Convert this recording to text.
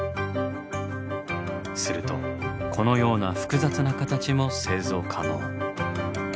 するとこのような複雑な形も製造可能。